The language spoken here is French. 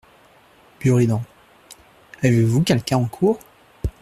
Buridan ; avez-vous quelqu’un en cour ?